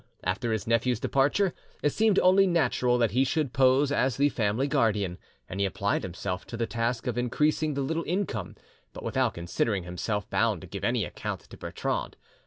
After his nephew's departure it seemed only natural that he should pose as the family guardian, and he applied himself to the task of increasing the little income, but without considering himself bound to give any account to Bertrande.